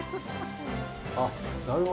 あっなるほど。